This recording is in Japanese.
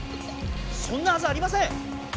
そんなはずありません！